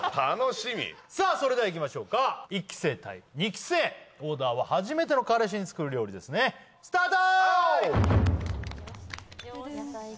さあそれではいきましょうか１期生対２期生オーダーは初めての彼氏に作る料理ですスタート！